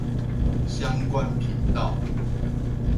相關頻道